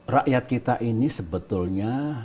rakyat kita ini sebetulnya